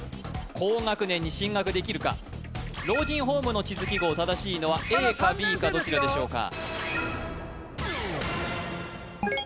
高学年に進学できるか老人ホームの地図記号正しいのはＡかＢかどちらでしょうかまだ３年生ですよ